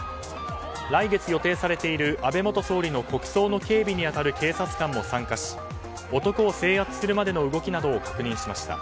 来月予定されている安倍元総理の国葬の警備に当たる警察官も参加し男を制圧するまでの動きなどを確認しました。